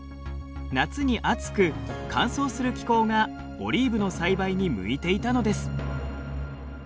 夏に暑く乾燥する気候がオリーブの栽培に向いていたのです。